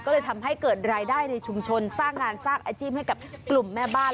ก็เลยทำให้เกิดรายได้ในชุมชนสร้างงานสร้างอาชีพให้กับกลุ่มแม่บ้าน